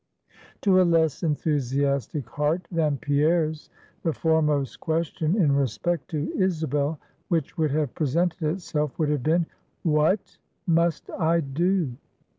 To a less enthusiastic heart than Pierre's the foremost question in respect to Isabel which would have presented itself, would have been, What must I do?